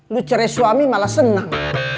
lu cerai suami malah senang